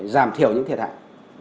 giảm thiểu những thiệt hại